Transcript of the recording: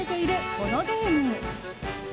このゲーム。